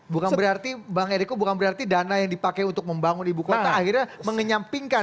bukan berarti bang eriko bukan berarti dana yang dipakai untuk membangun ibu kota akhirnya mengenyampingkan